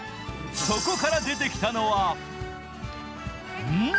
そこから出てきたのは、ん？